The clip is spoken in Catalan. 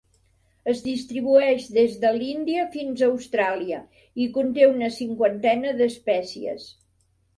Es distribueix des de l'Índia fins a Austràlia i conté una cinquantena d'espècies.